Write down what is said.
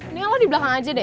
ini kan lo di belakang aja deh